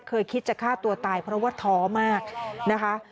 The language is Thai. เคยคิดจะฆ่าตัวตายเพราะว่าท้อมากนะคะ